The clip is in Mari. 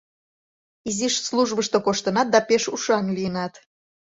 Изиш службышто коштынат да пеш ушан лийынат.